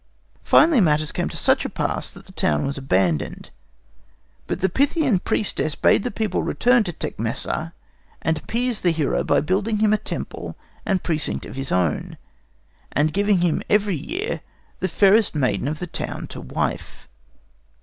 Finally, matters came to such a pass that the town was abandoned. But the Pythian priestess bade the people return to Tecmessa and appease the hero by building him a temple and precinct of his own, and giving him every year the fairest maiden of the town to wife.